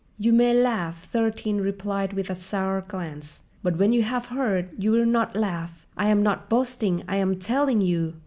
"You may laugh," Thirteen replied with a sour glance; "but when you have heard, you will not laugh. I am not boasting—I am telling you."